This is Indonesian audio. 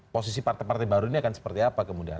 posisi partai partai baru ini akan seperti apa kemudian